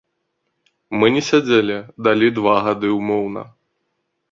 Мы не сядзелі, далі два гады ўмоўна.